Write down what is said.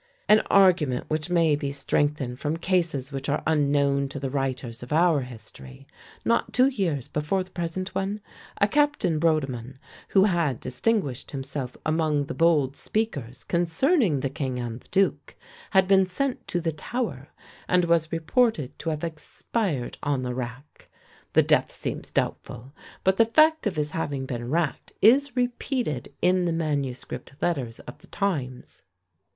An argument which may be strengthened from cases which are unknown to the writers of our history. Not two years before the present one, a Captain Brodeman, one who had distinguished himself among the "bold speakers" concerning the king and the duke, had been sent to the Tower, and was reported to have expired on the rack; the death seems doubtful, but the fact of his having been racked is repeated in the MS. letters of the times.